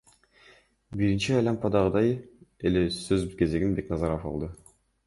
Биринчи айлампадагыдай эле сөз кезегин Бекназаров алды.